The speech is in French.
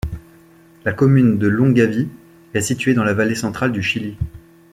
La commune de Longaví est située dans la Vallée Centrale du Chili.